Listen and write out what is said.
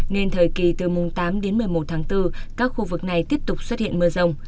nên thời kỳ từ mùng tám đến một mươi một tháng bốn các khu vực này tiếp tục xuất hiện mưa rông